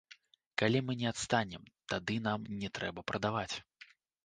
Калі мы не адстанем, тады нам не трэба прадаваць.